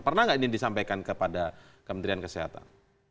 pernah nggak ini disampaikan kepada kementerian kesehatan